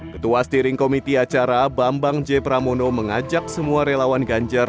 ketua steering committi acara bambang j pramono mengajak semua relawan ganjar